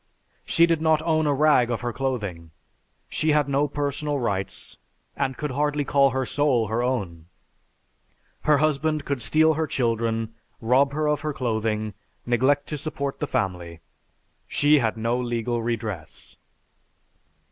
She did not own a rag of her clothing. She had no personal rights and could hardly call her soul her own. Her husband could steal her children, rob her of her clothing, neglect to support the family: she had no legal redress.